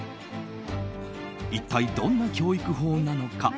一体どんな教育法なのか。